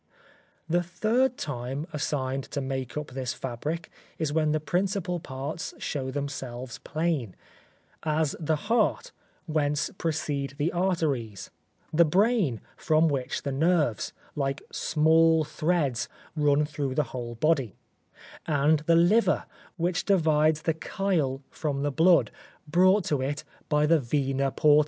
The third time assigned to make up this fabric is when the principal parts show themselves plain; as the heart, whence proceed the arteries, the brain, from which the nerves, like small threads, run through the whole body; and the liver, which divides the chyle from the blood, brought to it by the vena porta.